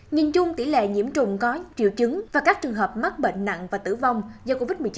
nhìn chung tỷ lệ nhiễm trùng có triệu chứng và các trường hợp mắc bệnh nặng và tử vong do covid một mươi chín